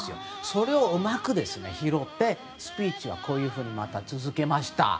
それをうまく拾ってスピーチをこういうふうに続けました。